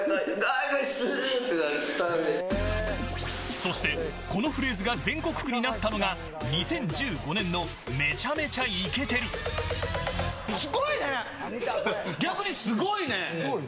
そして、このフレーズが全国区になったのが２０１５年のめちゃ×２イケてるッ！。